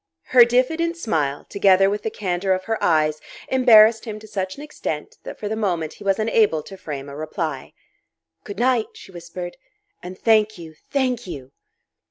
Her diffident smile, together with the candour of her eyes, embarrassed him to such extent that for the moment he was unable to frame a reply. "Good night," she whispered "and thank you, thank you!"